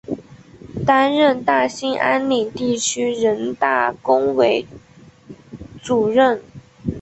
担任大兴安岭地区人大工委主任。